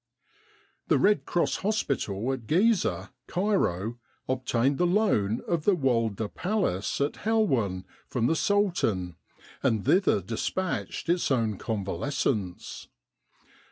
The Red Cross Hospital at Giza, Cairo, obtained the loan of the Walda Palace at Helouan from the Sultan, and thither dispatched its own con valescents.